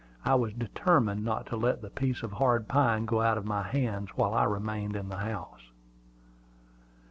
I was determined not to let the piece of hard pine go out of my hands while I remained in the house.